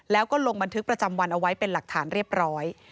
แล้วก็ลงบันทึกประจำวันเอาไว้เป็นหลักฐานเรียบร้อย